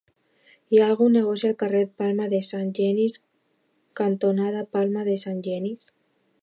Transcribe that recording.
Hi ha algun negoci al carrer Palma de Sant Genís cantonada Palma de Sant Genís?